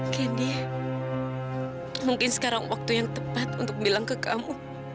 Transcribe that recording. kendi mungkin sekarang waktu yang tepat untuk bilang ke kamu